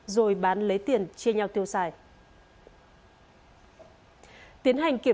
rồi bán lấy tiền chia nhau tiêu xài